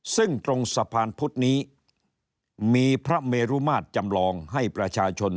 ซึ่งตรงสะพานพุทธนี้มีพระเมรุมาตรจำลองให้ประชาชน